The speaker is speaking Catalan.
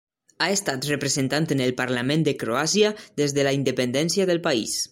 Ha estat representant en el Parlament de Croàcia des de la independència del país.